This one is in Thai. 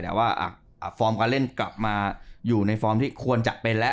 แต่ว่าฟอร์มการเล่นกลับมาอยู่ในฟอร์มที่ควรจะเป็นแล้ว